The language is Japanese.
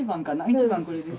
一番これです